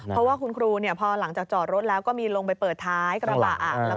เพราะว่าคุณครูพอหลังจากจอดรถลก็ไปเปิดท้ายกระบะอ่าง